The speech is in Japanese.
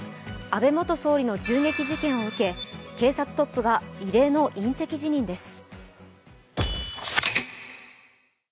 安倍元総理の銃撃事件を受け警察トップが異例の引責辞任です。